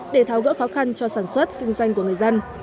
để tháo gỡ khó khăn cho sản xuất kinh doanh của người dân